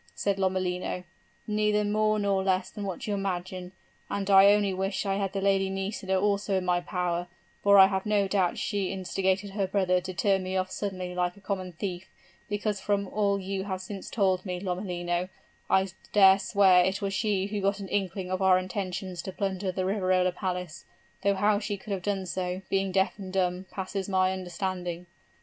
said Lomellino. 'Neither more nor less than what you imagine, and I only wish I had the Lady Nisida also in my power, for I have no doubt she instigated her brother to turn me off suddenly like a common thief, because from all you have since told me, Lomellino, I dare swear it was she who got an inkling of our intentions to plunder the Riverola Palace; though how she could have done so, being deaf and dumb, passes my understanding.'